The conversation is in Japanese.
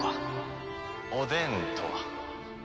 おでんとは？